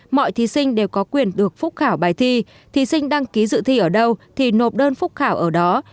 mọi thí sinh đều có quyền được phúc khảo bài thi thí sinh đăng ký dự thi ở đâu thì nộp đơn phúc khảo ở đó